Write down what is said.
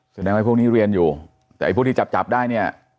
แสดงว่าพวกนี้เรียนอยู่แต่ไอ้พวกที่จับจับได้เนี่ย